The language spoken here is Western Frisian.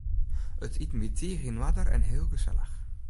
It iten wie tige yn oarder en heel gesellich.